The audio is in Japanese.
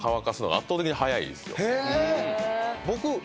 僕。